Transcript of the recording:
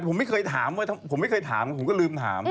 ผมไม่เคยถามผมไม่เคยถามผมก็ลืมถาม